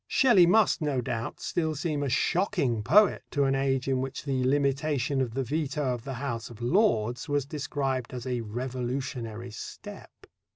Shelley must, no doubt, still seem a shocking poet to an age in which the limitation of the veto of the House of Lords was described as a revolutionary step.